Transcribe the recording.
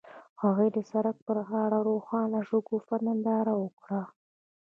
هغوی د سړک پر غاړه د روښانه شګوفه ننداره وکړه.